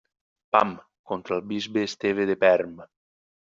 Pam, contra el bisbe Esteve de Perm.